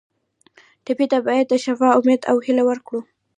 ټپي ته باید د شفا امید او هیله ورکړو.